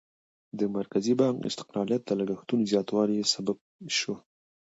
د مرکزي بانک استقلالیت د لګښتونو زیاتوالي سبب شو.